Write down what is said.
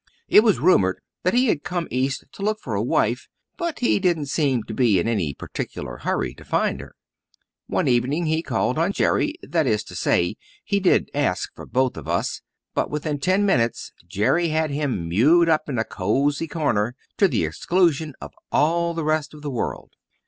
It was rumoured that he had come east to look for a wife but he didn't seem to be in any particular hurry to find her. One evening he called on Jerry; that is to say, he did ask for both of us, but within ten minutes Jerry had him mewed up in the cosy corner to the exclusion of all the rest of the world.